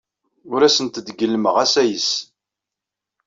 Ur asent-d-gellmeɣ asayes.